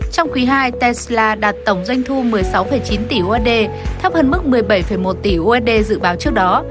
trong quý iisla đạt tổng doanh thu một mươi sáu chín tỷ usd thấp hơn mức một mươi bảy một tỷ usd dự báo trước đó